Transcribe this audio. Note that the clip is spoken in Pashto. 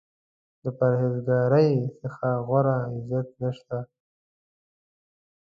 د پرهیز ګارۍ څخه غوره عزت نشته.